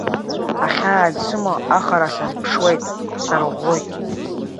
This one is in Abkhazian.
Ахьаа ансымоу ахара сарԥшуеит, сарӷәӷәоит.